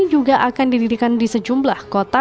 juga akan didirikan di sejumlah kota